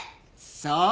そう。